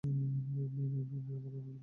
মিমি -- মিমি, আমরা অনেক দুঃখিত।